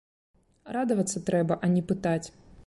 Радавацца трэба, а не пытаць.